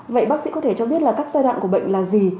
vậy bác sĩ có thể cho biết là các giai đoạn của bệnh là gì